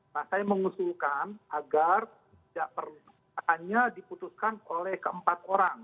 nah saya mengusulkan agar tidak perlu hanya diputuskan oleh keempat orang